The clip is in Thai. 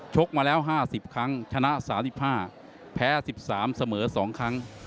กมาแล้ว๕๐ครั้งชนะ๓๕แพ้๑๓เสมอ๒ครั้ง